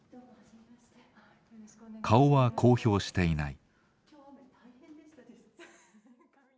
顔は公表していない。